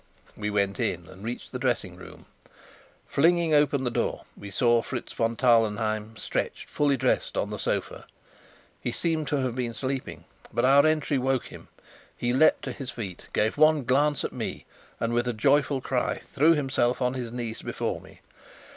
We went in and reached the dressing room. Flinging open the door, we saw Fritz von Tarlenheim stretched, fully dressed, on the sofa. He seemed to have been sleeping, but our entry woke him. He leapt to his feet, gave one glance at me, and with a joyful cry, threw himself on his knees before me.